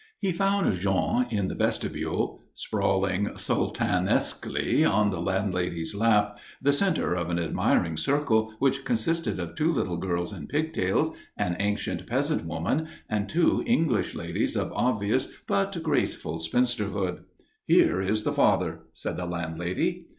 He found Jean in the vestibule, sprawling sultanesquely on the landlady's lap, the centre of an admiring circle which consisted of two little girls in pigtails, an ancient peasant woman, and two English ladies of obvious but graceful spinsterhood. "Here is the father," said the landlady.